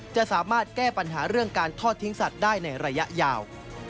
จะสามารถแก้ปัญหาเรื่องการทอดทิ้งสัตว์ได้ในระยะยาว